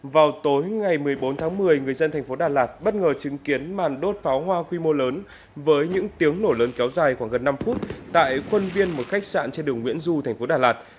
vào tối ngày một mươi bốn tháng một mươi người dân thành phố đà lạt bất ngờ chứng kiến màn đốt pháo hoa quy mô lớn với những tiếng nổ lớn kéo dài khoảng gần năm phút tại khuôn viên một khách sạn trên đường nguyễn du thành phố đà lạt